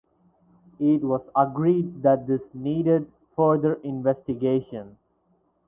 It was agreed that this needed further investigation.